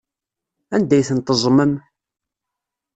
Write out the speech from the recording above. Anda ay ten-teẓẓmem?